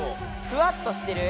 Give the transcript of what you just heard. ふわっとしてる？